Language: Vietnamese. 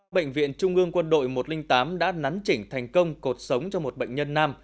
bệnh viện trung ương quân đội một trăm linh tám đã nắn chỉnh thành công cột sống cho một bệnh nhân nam